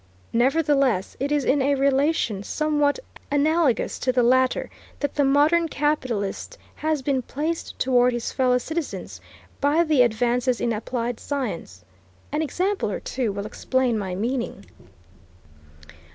Nevertheless, it is in a relation somewhat analogous to the latter, that the modern capitalist has been placed toward his fellow citizens, by the advances in applied science. An example or two will explain my meaning.